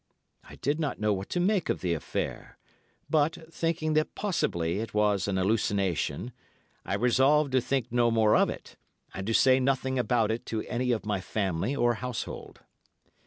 I did not know what to make of the affair, but, thinking that possibly it was an hallucination, I resolved to think no more of it, and to say nothing about it to any of my family or household.